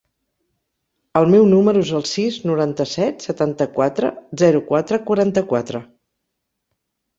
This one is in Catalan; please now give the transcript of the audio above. El meu número es el sis, noranta-set, setanta-quatre, zero, quatre, quaranta-quatre.